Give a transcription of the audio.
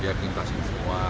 dia kintasin semua